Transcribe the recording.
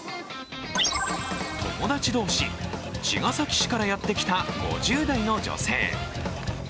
友達同士、茅ヶ崎市からやってきた５０代の女性。